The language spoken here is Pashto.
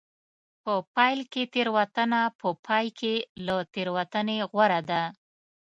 په پیل کې تېروتنه په پای کې له تېروتنې غوره ده.